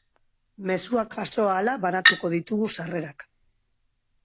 Mezuak jaso ahala banatuko ditugu sarrerak.